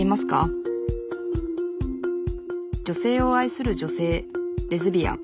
女性を愛する女性レズビアン。